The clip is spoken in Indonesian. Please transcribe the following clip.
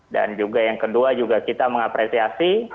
dan juga yang kedua kita mengapresiasi